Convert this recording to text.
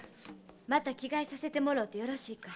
また着替えさせてもろてよろしいか？